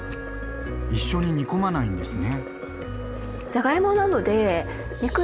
一緒に煮込まないんですね。